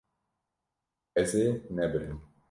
Ez ê nebirim.